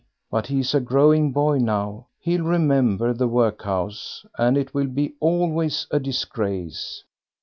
But he's a growing boy now, he'll remember the workhouse, and it will be always a disgrace."